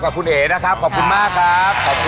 ขอบคุณเอ๋นะครับขอบคุณมากครับ